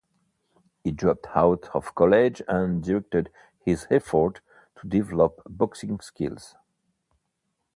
He dropped out of college and directed his efforts to develop boxing skills.